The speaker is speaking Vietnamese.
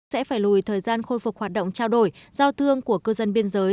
sẽ phải lùi thời gian khôi phục hoạt động trao đổi giao thương của cư dân biên giới